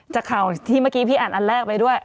จากข่าวที่เมื่อกี้พี่อ่านอันแรกไปด้วย